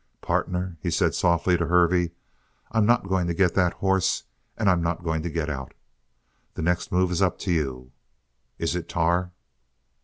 "Partner," he said softly to Hervey, "I'm not going to get the hoss and I'm not going to get out. The next move is up to you. Is it tar?"